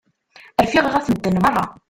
Rfiɣ ɣef medden merra.